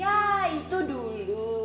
ya itu dulu